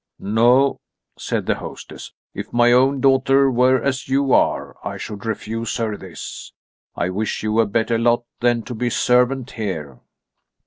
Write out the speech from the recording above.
"No," said the hostess, "if my own daughter were as you are, I should refuse her this. I wish you a better lot than to be servant here."